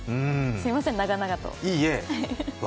すみません、長々と。